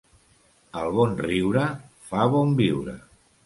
El bon riure fa bon viure.